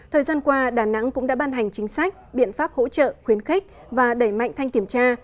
thời gian qua đà nẵng cũng đã ban hành chính sách biện pháp hỗ trợ khuyến khích và đẩy mạnh thanh kiểm tra